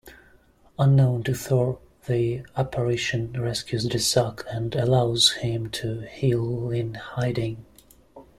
Unknown to Thor, the apparition rescues Desak and allows him to heal in hiding.